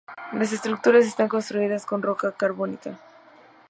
Las estructuras están construidas con roca carbónica.